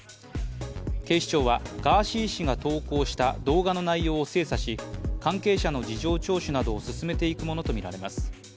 警視庁はガーシー氏が投稿した動画の内容を精査し関係者の事情聴取などを進めていくものとみられます。